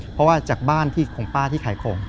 เพราะว่าจากบ้านของป้าที่ขายของ